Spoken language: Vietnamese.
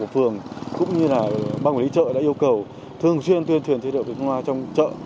phường cũng như là ban quản lý chợ đã yêu cầu thường xuyên tuyên thuyền thiết yếu phòng chống dịch trong chợ